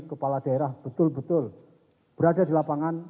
kepala daerah betul betul berada di lapangan